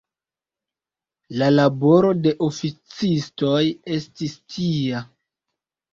La laboro de oficistoj estis tia.